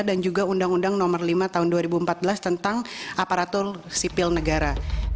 dan juga undang undang no lima tahun dua ribu empat belas tentang aparatur sipil negara